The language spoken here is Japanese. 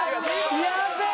やべえ！